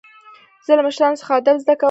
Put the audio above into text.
زه له مشرانو څخه ادب زده کوم.